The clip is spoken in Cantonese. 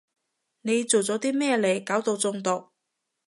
你做咗啲咩嚟搞到中毒？